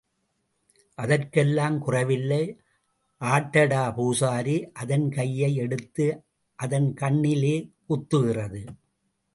அதற்கெல்லாம் குறைவில்லை, ஆட்டடா பூசாரி, அதன் கையை எடுத்து அதன் கண்ணிலே குத்துகிறது.